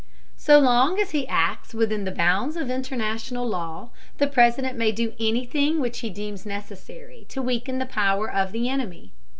So long as he acts within the bounds of international law, the President may do anything which he deems necessary to weaken the power of the enemy.